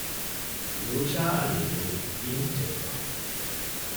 ލޫޝާއަށް ނިދުނީ ތިން ޖެހިފަހުން